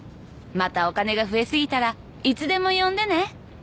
「またお金が増えすぎたらいつでも呼んでね」